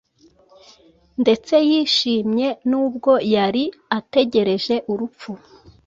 ndetse yishimye nubwo yari ategereje urupfu.